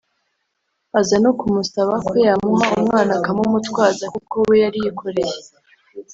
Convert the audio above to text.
aza no kumusaba ko yamuha umwana akamumutwaza kuko we yari yikoreye